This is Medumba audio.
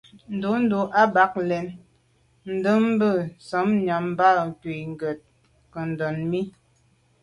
Ndǎ’ndʉ̂ a bαg len, ndɛ̂nmbə̀ sα̌m nyὰm mbὰ ncʉ̌’ kə cwɛ̌d nkondɛ̀n mi.